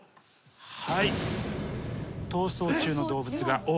はい。